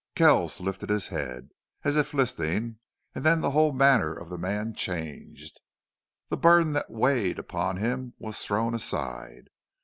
Kells lifted his head, as if listening, and then the whole manner of the man changed. The burden that weighed upon him was thrown aside.